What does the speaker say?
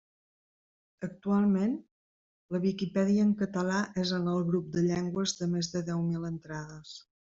Actualment, la Viquipèdia en català és en el grup de llengües de més de deu mil entrades.